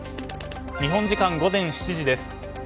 日本時間午前７時です。